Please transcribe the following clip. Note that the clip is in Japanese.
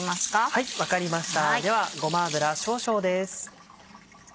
はい分かりましたではごま油少々です。